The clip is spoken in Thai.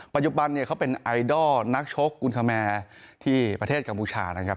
ปัจจุบันเนี่ยเขาเป็นไอดอลนักชกกุลคแมร์ที่ประเทศกัมพูชานะครับ